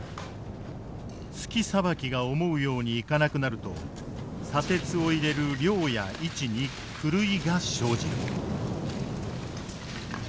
鋤さばきが思うようにいかなくなると砂鉄を入れる量や位置に狂いが生じる。